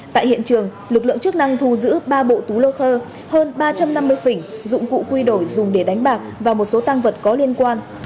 tại hiện trường lực lượng chức năng thu giữ ba bộ túi lô khơ hơn ba trăm năm mươi phỉnh dụng cụ quy đổi dùng để đánh bạc và một số tăng vật có liên quan